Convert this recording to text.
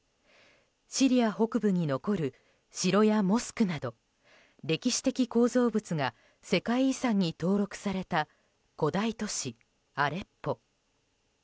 シリア北部に残る城やモスクなど歴史的構造物が世界遺産に登録された古代都市アレッポ。